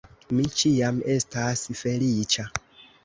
Mi ĉiam estas feliĉa